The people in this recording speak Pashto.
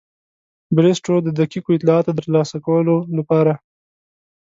بریسټو د دقیقو اطلاعاتو د ترلاسه کولو لپاره.